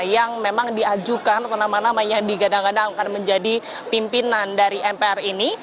yang memang diajukan atau nama nama yang digadang gadang akan menjadi pimpinan dari mpr ini